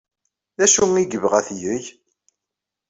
D acu ay yebɣa ad t-yeg?